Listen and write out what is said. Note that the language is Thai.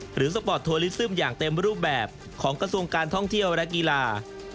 สปอร์ตทัวลิสซึมอย่างเต็มรูปแบบของกระทรวงการท่องเที่ยวและกีฬา